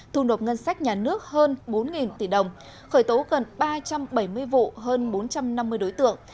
thu nộp ngân sách nhà nước hơn bốn tỷ đồng khởi tố gần ba trăm bảy mươi vụ hơn bốn trăm năm mươi đối tượng